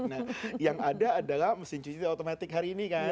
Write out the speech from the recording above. nah yang ada adalah mesin cuci otomatik hari ini kan